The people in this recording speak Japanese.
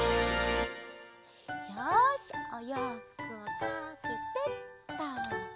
よしおようふくをかけてっと！